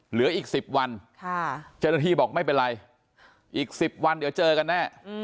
เหลืออีก๑๐วันเจ้าหน้าที่บอกไม่เป็นไรอีก๑๐วันเดี๋ยวเจอกันแน่